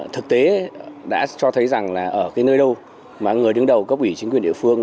thực tế đã cho thấy rằng là ở cái nơi đâu mà người đứng đầu cấp ủy chính quyền địa phương